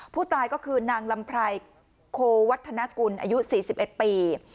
ผู้ตายก็คือนางลำไพรโควัฒนกุลอายุ๔๑ปี